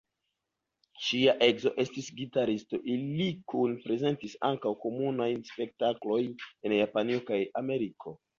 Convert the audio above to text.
Ŝia edzo estis gitaristo, ili kune prezentis ankaŭ komunajn spektaklojn en Japanio kaj Ameriko.